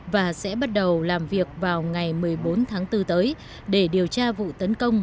và sẽ bắt đầu làm việc vào ngày một mươi bốn tháng bốn tới để điều tra vụ tấn công